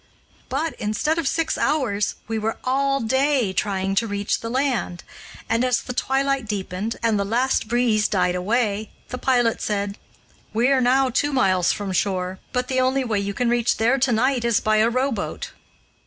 But, instead of six hours, we were all day trying to reach the land, and, as the twilight deepened and the last breeze died away, the pilot said: "We are now two miles from shore, but the only way you can reach there to night is by a rowboat."